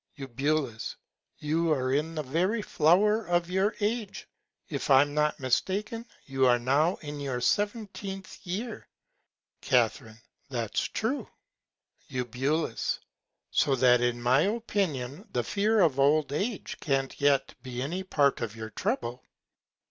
Eu. You are in the very Flower of your Age: If I'm not mistaken, you are now in your seventeenth Year. Ca. That's true. Eu. So that in my Opinion the Fear of old Age can't yet be any Part of your Trouble.